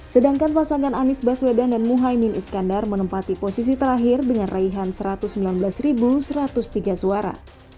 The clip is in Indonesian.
sedangkan pasangan anies baswedan dan muhaymin iskandar menempati posisi terakhir dengan raihan satu ratus sembilan belas satu ratus tiga suara